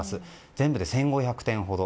全部で１５００点ほど。